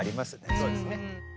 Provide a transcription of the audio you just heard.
そうですね。